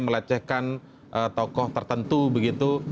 meletihkan tokoh tertentu begitu